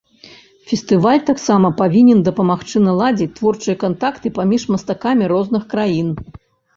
Фестываль таксама павінен дапамагчы наладзіць творчыя кантакты паміж мастакамі розных краін.